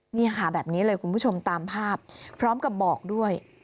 นี่ค่ะแบบนี้เลยคุณผู้ชมตามภาพพร้อมกับบอกด้วย